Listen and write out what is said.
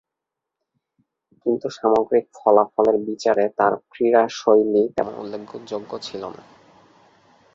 কিন্তু সামগ্রিক ফলাফলের বিচারে তার ক্রীড়াশৈলী তেমন উল্লেখযোগ্য ছিল না।